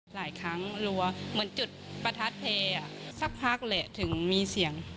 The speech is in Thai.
หลายครั้งรัวเหมือนจุดประทัดเพลย์สักพักแหละถึงมีเสียง